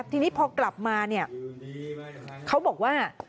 ทีนี้พอกลับมาเนี่ยเขาบอกว่า